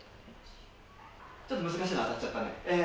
ちょっと難しいの当たっちゃったね。